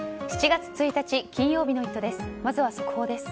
７月１日金曜日の「イット！」です。